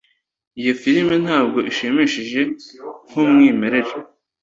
Iyo firime ntabwo ishimishije nkumwimerere.